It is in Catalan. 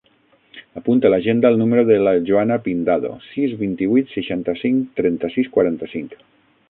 Apunta a l'agenda el número de la Joana Pindado: sis, vint-i-vuit, seixanta-cinc, trenta-sis, quaranta-cinc.